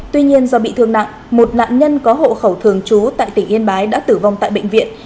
vụ cháy đã khiến một nạn nhân có hộ khẩu thường chú tại tỉnh yên bái đã tử vong tại bệnh viện